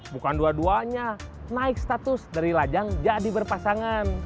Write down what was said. bukan dua duanya naik status dari lajang jadi berpasangan